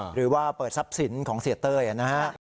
หรือว่าเปิดทรัพย์สินของเสียเต้ยนะฮะ